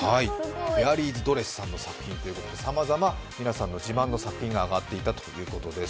エアリーズドレスさんの作品ということで、さまざま皆さんの自慢の作品が上がっていたそうです。